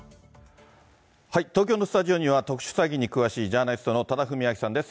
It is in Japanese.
東京のスタジオには、特殊詐欺に詳しいジャーナリストの多田文明さんです。